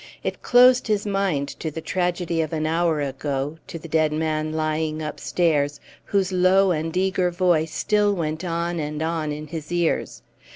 It closed his mind to the tragedy of an hour ago, to the dead man lying upstairs, whose low and eager voice still went on and on in his ears.